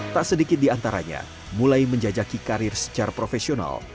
tak sedikit di antaranya mulai menjajaki karir secara profesional